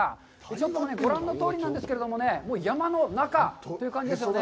ちょっとね、ご覧のとおりなんですけれどもね、山の中という感じですよね。